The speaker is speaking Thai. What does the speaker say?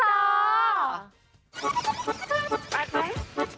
ไป